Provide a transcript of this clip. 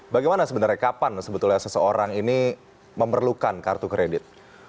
bagaimana sebenarnya kapan sebetulnya seseorang ini memerlukan kartu kredit